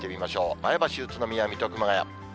前橋、宇都宮、水戸、熊谷。